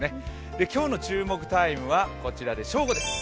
今日の注目タイムは正午です。